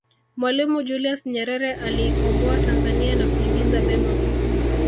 mwalimu julius nyerere aliikomboa tanzania na kuingiza vema